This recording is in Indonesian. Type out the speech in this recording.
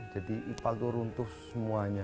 jadi ipal itu runtuh semuanya